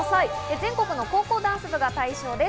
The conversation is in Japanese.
全国の高校ダンス部が対象です。